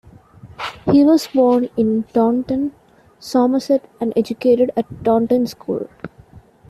He was born in Taunton, Somerset and educated at Taunton School.